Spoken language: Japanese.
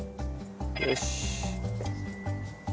よし！